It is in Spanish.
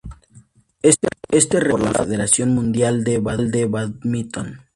Está regulado por la Federación Mundial de Bádminton.